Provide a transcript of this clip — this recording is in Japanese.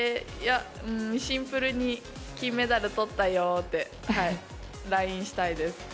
シンプルに金メダルとったよってＬＩＮＥしたいです。